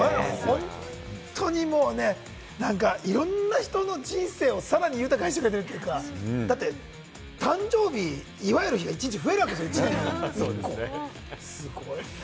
本当にもうね、なんか、いろんな人の人生をさらに豊かにしてくれるというか、だって誕生日、祝える日が一日増えるわけですよ、すごいな。